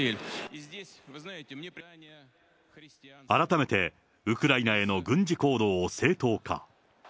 改めてウクライナへの軍事行動を正当化。